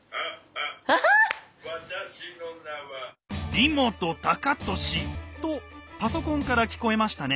「梨本タカトシ」とパソコンから聞こえましたね。